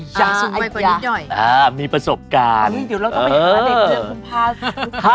จะมีประสบการณ์